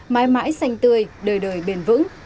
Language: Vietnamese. mãi mãi xanh tươi đời đời bền vững